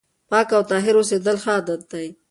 پاک او طاهر اوسېدل ښه عادت دی.